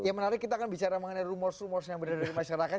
yang menarik kita akan bicara mengenai rumor rumor yang berada di masyarakat